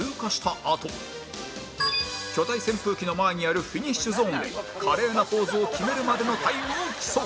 あと巨大扇風機の前にあるフィニッシュゾーンで華麗なポーズを決めるまでのタイムを競う